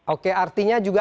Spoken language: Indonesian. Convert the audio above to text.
oke artinya juga